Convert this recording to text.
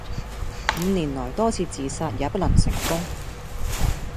五年來多次自殺也不能成功